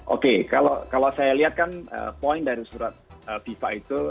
oke kalau saya lihat kan poin dari surat fifa itu